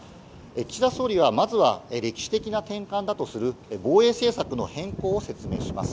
岸田総理は、まずは歴史的な転換だとする防衛政策の変更を説明します。